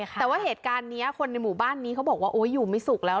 แต่ว่าเหตุการณ์นี้คนในหมู่บ้านนี้เขาบอกว่าอยู่ไม่สุขแล้ว